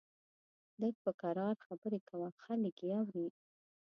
لږ په کرار خبرې کوه، خلک يې اوري!